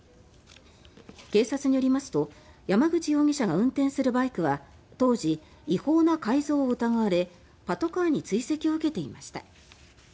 警察によりますと山口容疑者が運転するバイクは当時、違法な改造を疑われパトカーに追跡を受けていました。